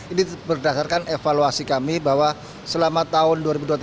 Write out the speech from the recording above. ini berdasarkan evaluasi kami bahwa selama tahun dua ribu dua puluh tiga